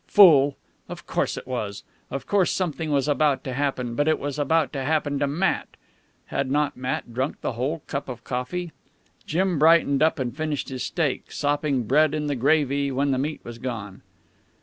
Fool! Of course it was. Of course something was about to happen, but it was about to happen to Matt. Had not Matt drunk the whole cup of coffee? Jim brightened up and finished his steak, sopping bread in the gravy when the meat was gone.